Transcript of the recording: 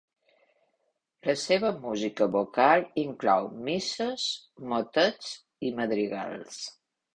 La seva música vocal inclou misses, motets i madrigals.